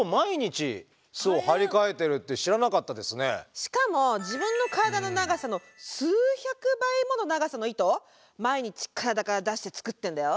しかもしかも自分の体の長さの数百倍もの長さの糸を毎日体から出してつくってんだよ。